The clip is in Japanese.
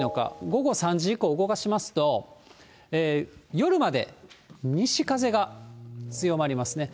午後３時以降、動かしますと、夜まで西風が強まりますね。